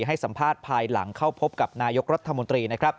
ให้สัมภาษณ์ภายหลังเข้าพบกับนายกรัฐมนตรีนะครับ